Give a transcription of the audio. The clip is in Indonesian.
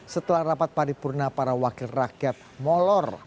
setelah rapat paripurna para wakil rakyat molor